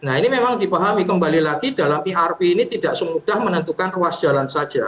nah ini memang dipahami kembali lagi dalam irp ini tidak semudah menentukan ruas jalan saja